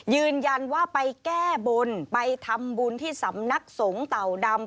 ยืนยันว่าไปแก้บนไปทำบุญที่สำนักสงฆ์เต่าดำ